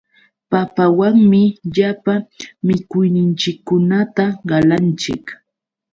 Papawanmi llapa mikuyninchikkunata qalanchik.